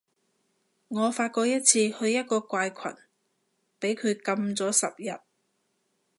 我發過一次去一個怪群，畀佢禁咗十日